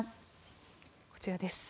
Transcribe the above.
こちらです。